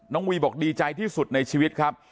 วีบอกดีใจที่สุดในชีวิตครับ